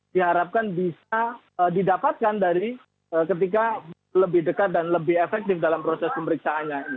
diharapkan bisa didapatkan dari ketika lebih dekat dan lebih efektif dalam proses pemeriksaannya